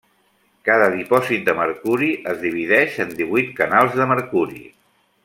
Cada dipòsit de mercuri es divideix en divuit canals de mercuri.